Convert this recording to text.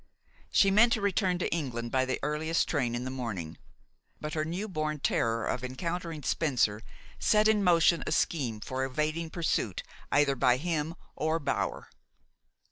She meant to return to England by the earliest train in the morning; but her new born terror of encountering Spencer set in motion a scheme for evading pursuit either by him or Bower.